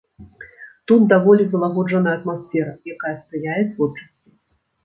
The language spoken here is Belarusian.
Тут даволі залагоджаная атмасфера, якая спрыяе творчасці.